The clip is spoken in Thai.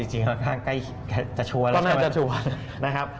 จริงค่อนข้างใกล้จะชัวร์แล้วนะครับ